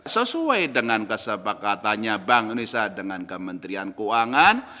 sesuai dengan kesepakatannya bank indonesia dengan kementerian keuangan